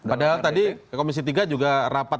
padahal tadi komisi tiga juga rapat